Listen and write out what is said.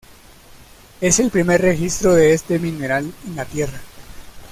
Es el primer registro de este mineral en la Tierra.